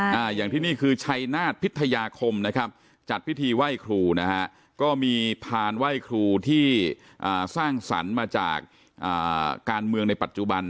อย่างที่นี่คือชัยนาฏพิทยาคมนะครับจัดพิธีไหว้ครูนะฮะก็มีพานไหว้ครูที่อ่าสร้างสรรค์มาจากอ่าการเมืองในปัจจุบัน